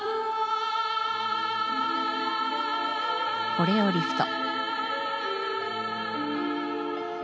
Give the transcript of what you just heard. コレオリフト。